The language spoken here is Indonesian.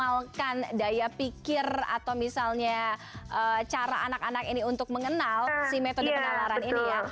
jadi itu adalah yang menyebabkan daya pikir atau misalnya cara anak anak ini untuk mengenal si metode penalaran ini ya